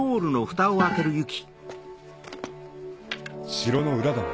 城の裏だな。